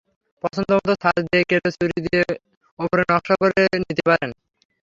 পছন্দমতো ছাঁচ দিয়ে কেটে ছুরি দিয়ে ওপরে নকশা করে নিতে পারেন।